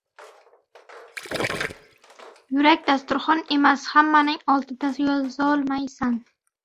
• Yurak dasturxon emas, hammaning oldida yozolmaysan.